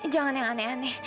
jangan yang aneh anih